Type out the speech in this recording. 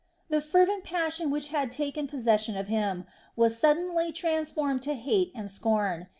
The fervent passion which had taken possession of him was suddenly transformed to hate and scorn.